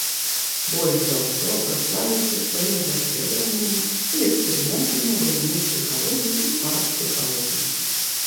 Больш за ўсё праславіўся сваімі даследаваннямі і эксперыментамі ў галіне псіхалогіі і парапсіхалогіі.